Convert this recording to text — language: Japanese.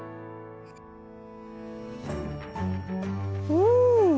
うん。